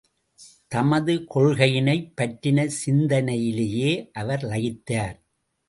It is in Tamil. தமது கொள்கையினைப் பற்றின சிந்தனையிலேயே அவர் லயித்தார்.